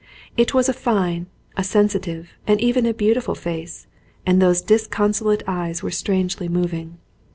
It was a fine, a sensitive, and even a beautiful face, and those disconsolate eyes were strangely moving.